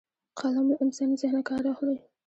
قلم له انساني ذهنه کار اخلي